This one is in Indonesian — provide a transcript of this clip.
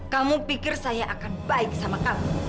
kamu pikir saya akan baik sama kamu